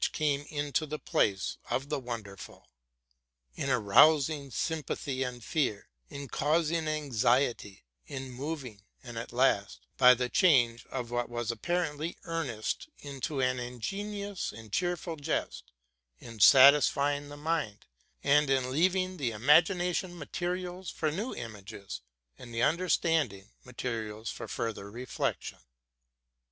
51 came into the place of the wonderful, in arousing sympathy and fear, in causing anxiety, in moving, and, at last, by the change of what was apparently earnest into an ingenious and cheerful jest, in satisfying the mind, and in leaving the imagination materials for new images, and the understand ing materials for further reflection.